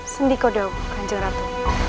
sendikodau kanjeng ratu